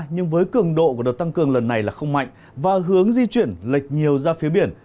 nhưng với cường độ của đợt tăng cường lần này là không mạnh và hướng di chuyển lệch nhiều ra phía biển